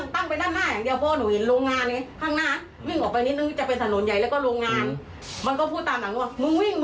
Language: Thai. คนหนึ่งเขาเดินอยู่ริมหนุน